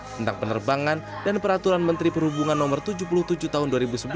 tentang penerbangan dan peraturan menteri perhubungan no tujuh puluh tujuh tahun dua ribu sebelas